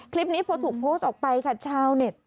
คลิปนี้พอถูกโพสต์ออกไปค่ะชาวเน็ต